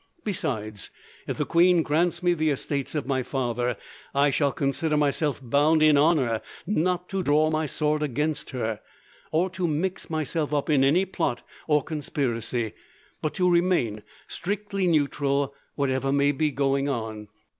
Besides, if the queen grants me the estates of my father, I shall consider myself bound in honour not to draw my sword against her, or to mix myself up in any plot or conspiracy, but to remain strictly neutral whatever may be going on.